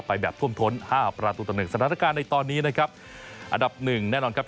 ไปแบบท่วมท้นห้าประตูต่อหนึ่งสถานการณ์ในตอนนี้นะครับอันดับหนึ่งแน่นอนครับ